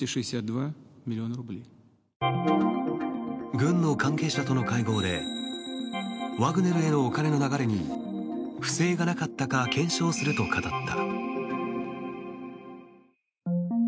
軍の関係者との会合でワグネルへのお金の流れに不正がなかったか検証すると語った。